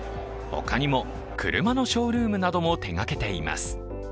他にも車のショールームなども手がけています。